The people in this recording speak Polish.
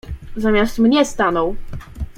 "Zamiast mnie stanął."